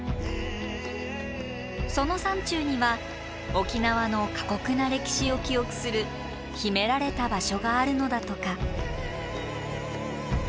その山中には沖縄の過酷な歴史を記憶する秘められた場所があるのだとか。